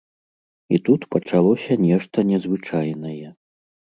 І тут пачалося нешта незвычайнае.